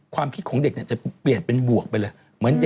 ความคิดของเด็กจะเปลี่ยนเป็นบวกไปเลย